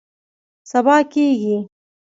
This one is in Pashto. سبا کیږي